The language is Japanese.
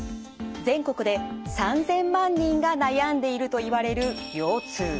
全国で３，０００万人が悩んでいるといわれる腰痛。